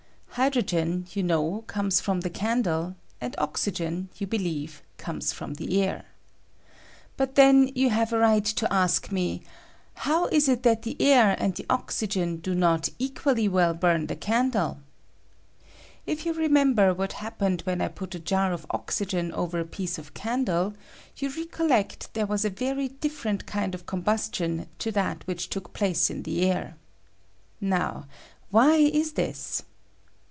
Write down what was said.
Hydrogen, you know, comes from the candle, and oxygen, you believe, comes from the air. But then you have a right to ask me, "How is it that the air and the oxygen do not equally well bum the candle?" If you remember what happened when I put a jar of oxygen over a piece of candle, you recollect there was a very different kind of combustion to that which took place in the air. Now why is this?